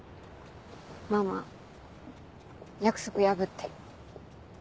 ママ約束破って。